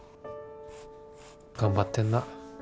頑張ってんな。